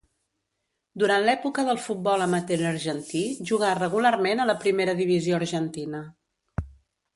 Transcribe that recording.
Durant l'època del futbol amateur argentí jugà regularment a la Primera Divisió argentina.